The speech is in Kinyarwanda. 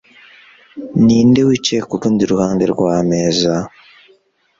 Ninde wicaye kurundi ruhande rwameza?